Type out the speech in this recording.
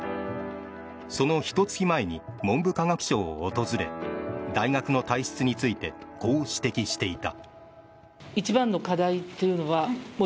そのひと月前に文部科学省を訪れ大学の体質についてこう指摘していた。